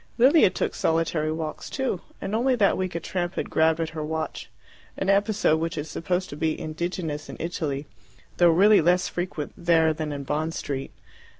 Lilia took solitary walks too, and only that week a tramp had grabbed at her watch an episode which is supposed to be indigenous in Italy, though really less frequent there than in Bond Street.